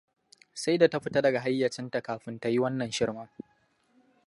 Sai da ta fita daga hayyacinta kafin ta yi wannan shirmen.